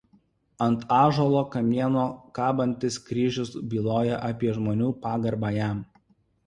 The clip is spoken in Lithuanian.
Ant ąžuolo kamieno kabantis kryžius byloja apie žmonių pagarbą jam.